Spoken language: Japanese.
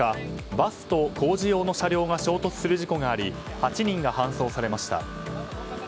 バスと工事用の車両が衝突する事故があり８人が搬送されました。